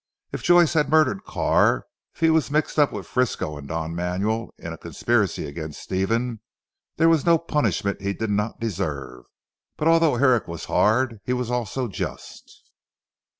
If Joyce had murdered Carr, if he was mixed up with Frisco and Don Manuel in a conspiracy against Stephen, there was no punishment he did not deserve. But although Herrick was hard, he was also just.